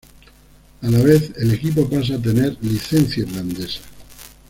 A la vez el equipo pasa a tener licencia irlandesa.